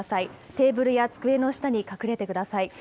テーブルや机の下に隠れてください。